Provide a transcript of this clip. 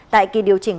tại kỳ điều chỉnh